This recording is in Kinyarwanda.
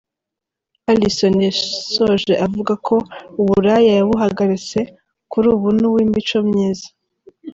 Alison yasoje avuga ko uburaya yabuhagaritse, kuri ubu ni uw'imico myiza.